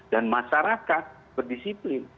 dan masyarakat berdisiplin